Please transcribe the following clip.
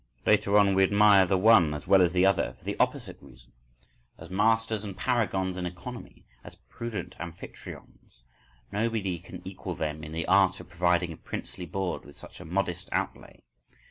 Later on we admire the one as well as the other for the opposite reason: as masters and paragons in economy, as prudent amphitryons. Nobody can equal them in the art of providing a princely board with such a modest outlay.